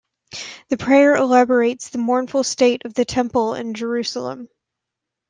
The prayer elaborates the mournful state of the Temple in Jerusalem.